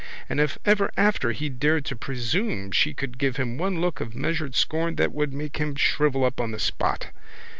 And if ever after he dared to presume she could give him one look of measured scorn that would make him shrivel up on the spot.